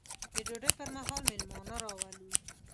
د ډوډۍ پر مهال مېلمانه راولو.